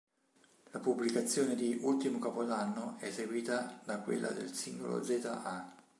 La pubblicazione di "Ultimo Capodanno" è seguita da quella del singolo "Zeta A".